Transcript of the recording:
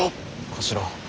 小四郎。